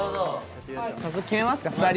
早速決めますか２人。